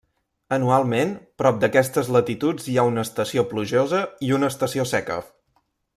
Anualment, prop d'aquestes latituds hi ha una estació plujosa i una estació seca.